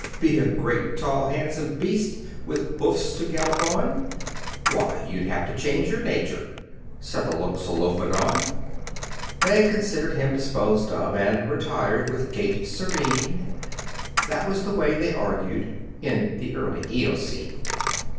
Be a great, tall, handsome beast, With hoofs to gallop on? Why, you'd have to change your nature!" Said the Loxolophodon: They considered him disposed of, And retired with gait serene; That was the way they argued In "the early Eocene."